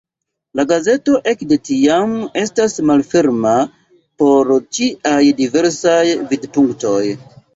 La gazeto ekde tiam estas malferma por ĉiaj diversaj vidpunktoj.